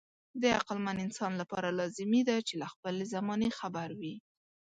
د عقلمن انسان لپاره لازمي ده چې له خپلې زمانې خبر وي.